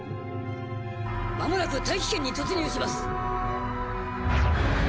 まもなく大気圏に突入します！